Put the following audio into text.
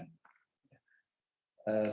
semua ini tentu saja juga kami progresi